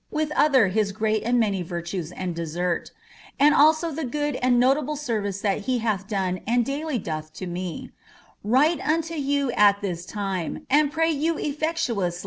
with other hie great and many virtue* and desen, ami also the gnoil nod notable service that be baih done ami daily doA to me) write unto yon at tjiie time, and pray you ifftetuou*!)